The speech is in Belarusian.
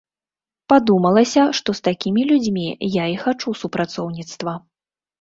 Падумалася, што з такімі людзьмі я і хачу супрацоўніцтва.